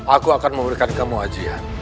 aku akan memberikan kamu ajian